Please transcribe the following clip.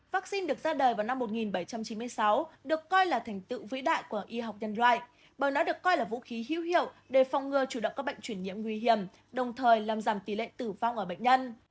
vaccine được ra đời vào năm một nghìn bảy trăm chín mươi sáu được coi là thành tựu vĩ đại của y học nhân loại bởi nó được coi là vũ khí hữu hiệu để phòng ngừa chủ động các bệnh chuyển nhiễm nguy hiểm đồng thời làm giảm tỷ lệ tử vong ở bệnh nhân